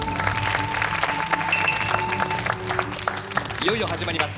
いよいよ始まります。